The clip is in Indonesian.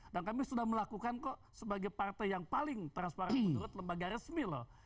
kami sudah melakukan kok sebagai partai yang paling transparan menurut lembaga resmi loh